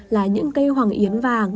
là những cây hoàng yến vàng